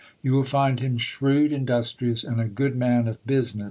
You will find him shrewd, industrious, and a good man of business.